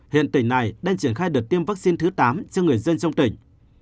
hiện tỉnh này đang triển khai đợt tiêm vắc xin thứ tám cho người dân trong tỉnh